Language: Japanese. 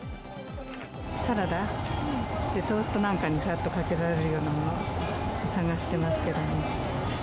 サラダ、トーストなんかにさっとかけられるようなもの、探してますけども。